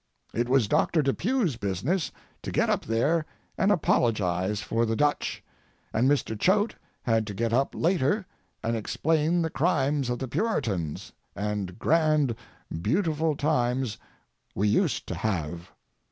It was Doctor Depew's business to get up there and apologise for the Dutch, and Mr. Choate had to get up later and explain the crimes of the Puritans, and grand, beautiful times we used to have.